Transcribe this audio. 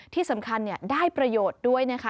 ที่สำคัญได้ประโยชน์ด้วยนะคะ